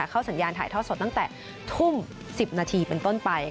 เข้าสัญญาณถ่ายทอดสดตั้งแต่ทุ่ม๑๐นาทีเป็นต้นไป